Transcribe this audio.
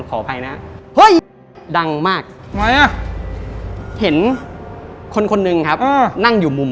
ขออภัยนะดังมากเห็นคนคนหนึ่งครับอ่านั่งอยู่มุม